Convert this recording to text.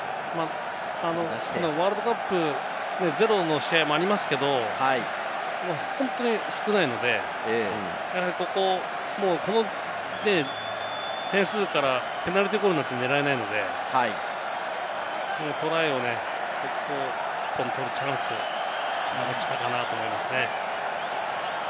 ワールドカップ、ゼロの試合もありますけれども、本当に少ないのでやはりここ、この点数からペナルティーゴールなんか狙えないので、トライをね、取るチャンスが来たかなと思いますね。